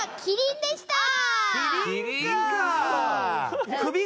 キリンか！